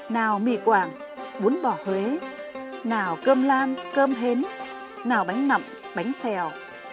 nào mì quảng bún bò huế nào cơm lam cơm hến nào bánh mậm bánh xèo